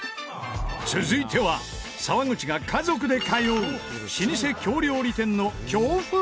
続いては沢口が家族で通う老舗京料理店の京風ちゃんこ鍋。